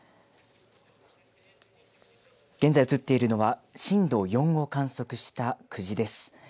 現在、映っているのは震度４を観測した久慈です。